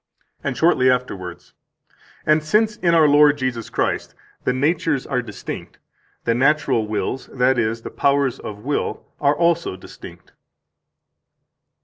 And shortly afterwards: "And since in our Lord Jesus Christ the natures are distinct, the natural wills, that is, the powers of will, are also distinct."